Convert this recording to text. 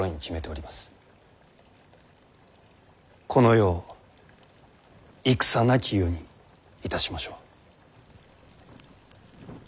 この世を戦なき世にいたしましょう。